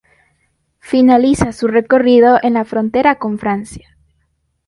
Finaliza su recorrido en la frontera con Francia.